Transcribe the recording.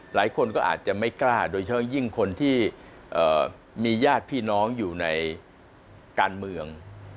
หลายคนก็อาจจะไม่กล้าโดยเฉพาะยิ่งคนที่มีญาติพี่น้องอยู่ในการเมือง